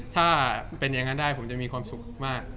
ถ้าเป็นอย่างนั้นได้ผมจะมีความสุขมาก